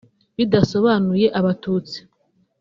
bidasobanuye Abatutsi